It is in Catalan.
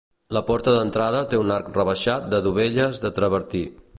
La porta d'entrada té un arc rebaixat de dovelles de travertí.